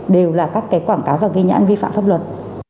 đều là các cái quảng cáo và ghi nhãn vi phạm pháp luật